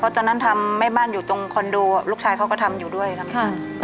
ตอนนั้นทำแม่บ้านอยู่ตรงคอนโดลูกชายเขาก็ทำอยู่ด้วยทำ